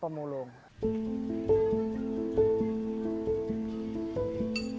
mereka menjadi pemulung